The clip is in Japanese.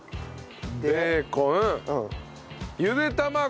ベーコンゆで卵。